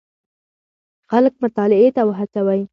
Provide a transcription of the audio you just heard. خلک مطالعې ته وهڅوئ.